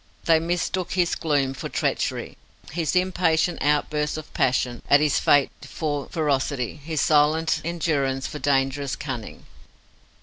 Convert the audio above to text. They mistook his gloom for treachery, his impatient outbursts of passion at his fate for ferocity, his silent endurance for dangerous cunning.